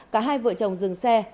cả hai vợ chồng dừng xe